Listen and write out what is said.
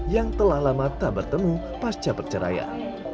yang telah lama tak bertemu pasca perceraian